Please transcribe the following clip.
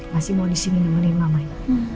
masih mau disini nemenin mamanya